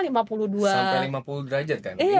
sampai lima puluh derajat kan